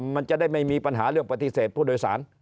มันจะได้ไม่มีปัญหาเรื่องปฏิเสธผู้โดยสาร